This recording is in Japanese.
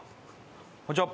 こんにちは。